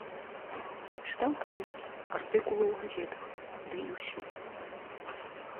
Чытаў кніжкі, артыкулы ў газетах, дый усё.